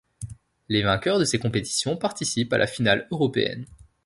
Les vainqueurs de ces compétitions participent à la finale européenne.